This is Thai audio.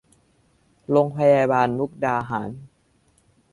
โรงพยาบาลมุกดาหาร